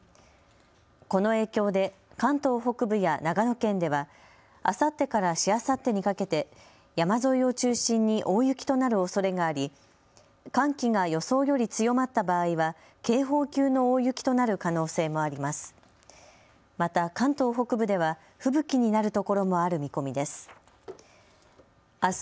この影響で関東北部や長野県ではあさってからしあさってにかけて山沿いを中心に大雪となるおそれがあり、寒気が予想より強まった場合は警報級の大雪となる可能性もあります。